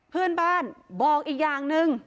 เพื่อนบ้านบอกอีกอย่างหนึ่ง